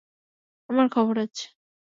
আমার খবর আছে।